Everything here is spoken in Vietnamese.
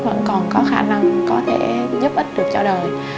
vẫn còn có khả năng có thể giúp ích được cho đời